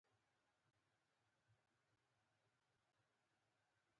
په دې سبا د مارچ په درېیمه چې د جمعې مبارکه ورځ وه.